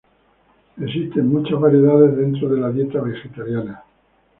Existen muchas variedades dentro de la dieta vegetariana.